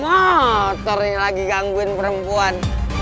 motor yang lagi gangguin perempuan